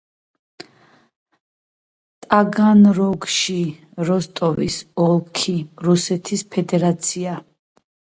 ტაგანროგში, როსტოვის ოლქი, რუსეთის ფედერაცია.